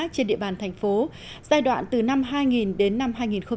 trên địa bàn thành phố giai đoạn từ năm hai nghìn đến năm hai nghìn một mươi sáu